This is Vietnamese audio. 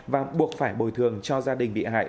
và buộc phải bồi thường cho gia đình bị hại